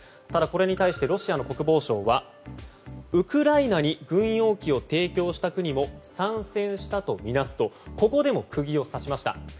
ただ、これに対してロシアの国防省はウクライナに軍用機を提供した国も参戦したとみなすとここでも釘を刺しました。